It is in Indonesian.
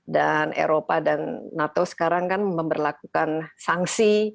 dan eropa dan nato sekarang kan memperlakukan sanksi